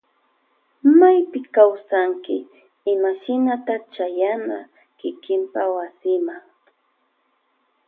Maypita kawsanki imashinata chayana kikinpa wasima.